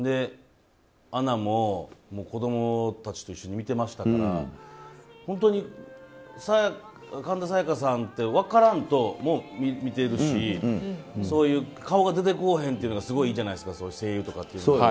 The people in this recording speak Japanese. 「アナ」も子供たちと一緒に見てましたから本当に神田沙也加さんって分からんとも見ているし顔が出てこうへんっていうのがいいじゃないですか声優とかって。